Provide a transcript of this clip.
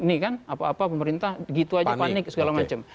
ini kan apa apa pemerintah gitu aja panik segala macam